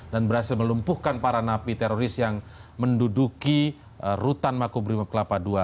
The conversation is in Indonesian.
dan berhasil melumpuhkan para napi teroris yang menduduki rutan makubrimab kelapa ii depok jawa